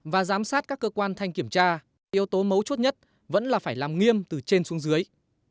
và giám sát các cơ quan thanh kiểm tra yếu tố mấu chốt nhất vẫn là phải làm nghiêm từ trên xuống dưới